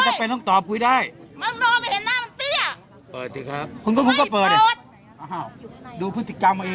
ดิฉันเป็นลูกศิษย์ที่พวกคุณมันก้าวล่วงมาเมิดไม่ได้ก้าวล่วง